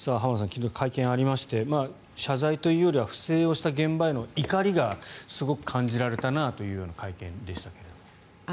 昨日、会見がありまして謝罪というよりは不正をした現場への怒りがすごく感じられたなという会見でしたけど。